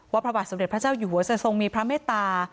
พระบาทสมเด็จพระเจ้าอยู่หัวจะทรงมีพระเมตตา